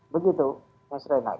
begitu mas renat